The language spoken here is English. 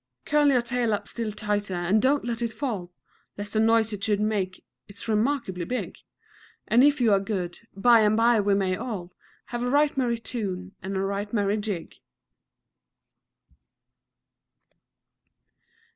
Curl your tail up still tighter, and don't let it fall Lest a noise it should make it's remarkably big And, if you are good, by and by we may all Have a right merry tune and a right merry jig.